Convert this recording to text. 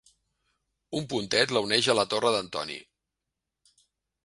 Un pontet la uneix a la Torre d'Antoni.